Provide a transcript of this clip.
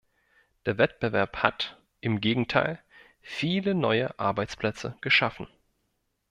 Der Wettbewerb hat, im Gegenteil, viele neue Arbeitsplätze geschaffen.